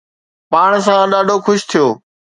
پاڻ سان ڏاڍو خوش ٿيو